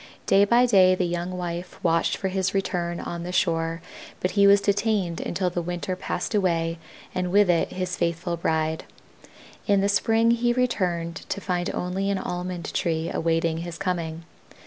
Day by day the young wife watched for his return on the shore, but he was detained until the winter passed away and with it his faithful bride. In the spring he returned to find only an Almond tree awaiting his coming.